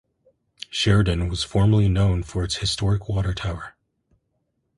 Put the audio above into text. Sheridan was formerly known for its historic water tower.